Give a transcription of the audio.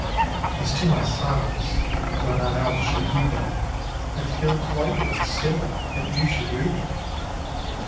As to my sonnets, though none else should heed them, I feel delighted, still, that you should read them.